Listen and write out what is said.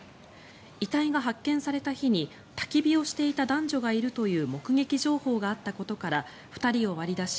遺体が発見された日にたき火をしていた男女２人がいたという目撃情報があったことから２人を割り出し